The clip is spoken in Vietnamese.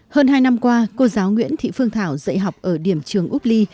hơn hai năm qua cô giáo nguyễn thị phương thảo dạy học ở điểm trường úc ly